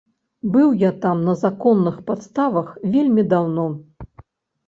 Быў я там на законных падставах, вельмі даўно.